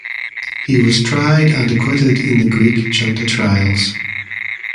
He was tried and acquitted in the Greek Junta Trials.